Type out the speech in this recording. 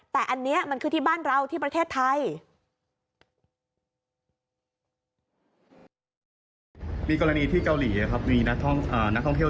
แต่อันนี้มันคือที่บ้านเราที่ประเทศไทย